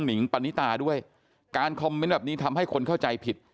นิงปณิตาด้วยการคอมเมนต์แบบนี้ทำให้คนเข้าใจผิด